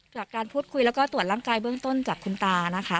จากการพูดคุยแล้วก็ตรวจร่างกายเบื้องต้นจากคุณตานะคะ